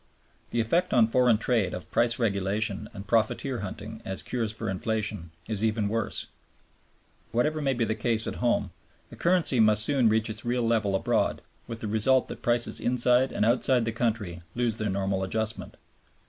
The effect on foreign trade of price regulation and profiteer hunting as cures for inflation is even worse. Whatever may be the case at home, the currency must soon reach its real level abroad, with the result that prices inside and outside the country lose their normal adjustment.